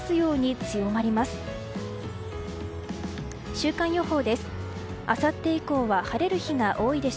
週間予報です。